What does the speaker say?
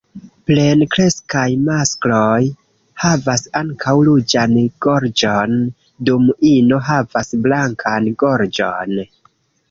Plenkreskaj maskloj havas ankaŭ ruĝan gorĝon, dum ino havas blankan gorĝon.